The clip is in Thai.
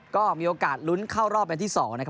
ก็มีโอกาสลุ้นเข้ารอบเป็นที่๒นะครับ